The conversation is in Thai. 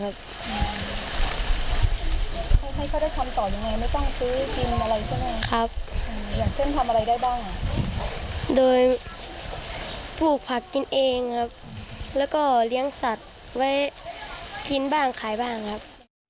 เขาให้เขาได้คำตอบยังไงไม่ต้องซื้อกินอะไรใช่ไหมครับอย่างเช่นทำอะไรได้บ้างโดยปลูกผักกินเองครับแล้วก็เลี้ยงสัตว์ไว้กินบ้างขายบ้างครับ